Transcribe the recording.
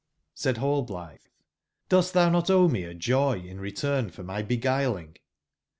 Said Rallblitbe: ''Dost tbounotowemeajoy in return formybeguiling?'